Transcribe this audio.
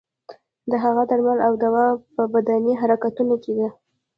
د هغه درمل او دوا په بدني حرکتونو کې ده.